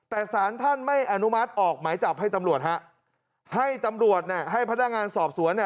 แต่ศาลท่านไม่อนุมัติออกหมายจับให้ตำรวจให้ตำรวจให้พันธุ์งานสอบสวน